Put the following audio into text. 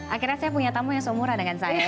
akhirnya saya punya tamu yang seumuran dengan saya